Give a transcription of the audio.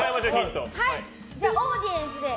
じゃあオーディエンスで。